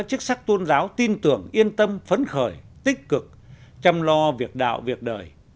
tiến đồ vào các chức sắc tôn giáo tin tưởng yên tâm phấn khởi tích cực chăm lo việc đạo việc đời